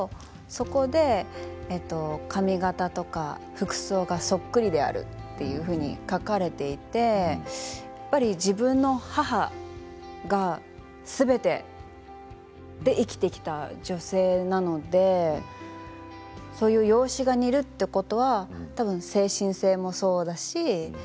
そこで髪形とか服装がそっくりであるっていうふうに書かれていてやっぱり自分の母がすべてで生きてきた女性なのでそういった容姿が似るというのは精神性もそうだし